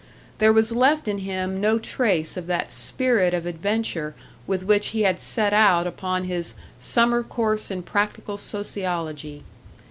There was left in him no trace of that spirit of adventure with which he had set out upon his "summer course in practical sociology."